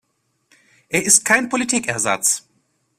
Er ist kein Politikersatz.